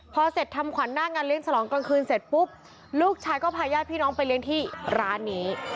พอเสร็จทำขวัญหน้างานเลี้ยงฉลองกลางคืนเสร็จปุ๊บลูกชายก็พาญาติพี่น้องไปเลี้ยงที่ร้านนี้